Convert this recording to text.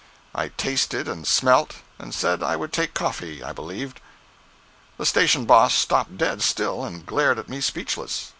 I tasted and smelt, and said I would take coffee, I believed. The station boss stopped dead still, and glared at me speechless.